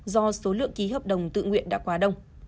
do số lượng ký hợp đồng tự nguyện đã quá đông